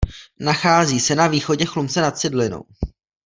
Nachází se na východě Chlumce nad Cidlinou.